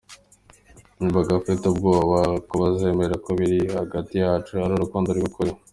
Yumvaga afite ubwoba ko bazemera ko ibiri hagati yacu ari urukundo rw’ukuri.